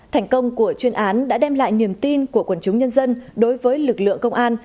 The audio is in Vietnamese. thành công của chuyên án đã đem lại niềm tin của quần chúng nhân dân đối với lực lượng công an